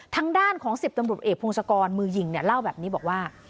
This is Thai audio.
ทางด้านของ๑๐ตำรวจเอกพงศกรมือยิงเนี่ยเล่าแบบนี้บอกว่า